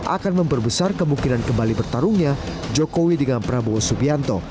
akan memperbesar kemungkinan kembali bertarungnya jokowi dengan prabowo subianto